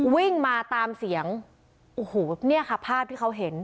วิ่งมาตามเสียงโอ้โหเนี่ยค่ะภาพที่เขาเห็น